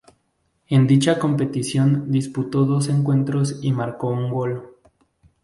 En dicha competición disputó dos encuentros y marcó un gol.